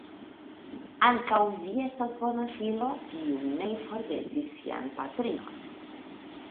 Ankaŭ vi estas bona filo, kiu ne forgesis sian patrinon.